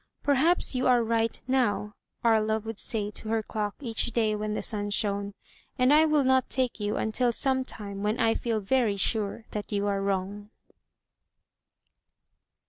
"Perhaps you are right now," Aria would say to her clock each day when the sun shone, "and I will not take you until some time when I feel very sure that you are wrong."